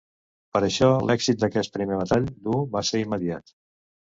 Per això, l'èxit d'aquest primer metall dur va ser immediat.